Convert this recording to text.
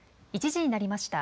１時になりました。